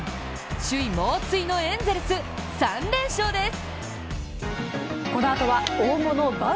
首位猛追のエンゼルス、３連勝です。